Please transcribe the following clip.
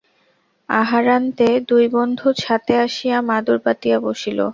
আহারান্তে দুই বন্ধু ছাতে আসিয়া মাদুর পাতিয়া বসিল।